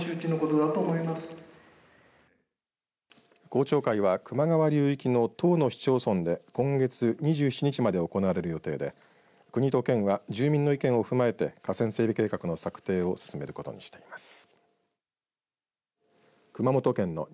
公聴会は球磨川流域の１０の市町村で今月２７日まで行われる予定で国と県は住民の意見を踏まえて河川整備計画の策定を進めることにしています。